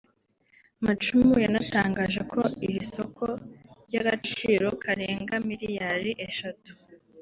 Macumu yanatangaje ko iri soko ry’agaciro karenga miliyali eshatu